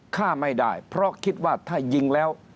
ฆ่าไม่ได้เพราะคิดว่าถ้ายิงแล้ว